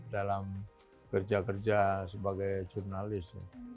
dalam kerja kerja sebagai jurnalis